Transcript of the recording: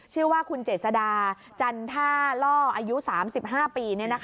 ชื่อว่าคุณเจษดาจันท่าล่ออายุ๓๕ปี